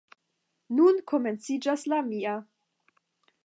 Nun komenciĝas la mia».